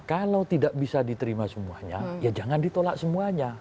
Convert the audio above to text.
kalau tidak bisa diterima semuanya ya jangan ditolak semuanya